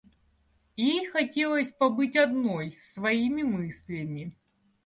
Ей хотелось побыть одной с своими мыслями.